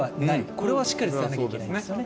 これはしっかり伝えなきゃいけないですよね。